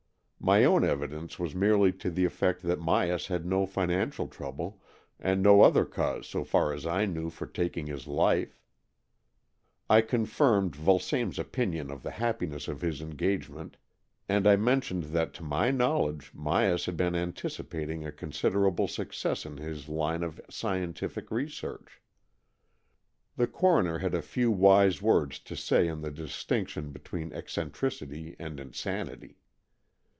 My own evidence was merely to the effect that Myas had no financial trouble, and no other cause so far as I knew for taking his life. I confirmed Vulsame's opinion of the happiness of his engagement, and I men tioned that to my knowledge Myas had been anticipating a considerable success in his line of scientific research. AN EXCHANGE OF SOULS 127 The coroner had a few wise words to say on the distinction between eccentricity and insanity.